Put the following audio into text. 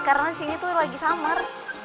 karena di sini tuh lagi summer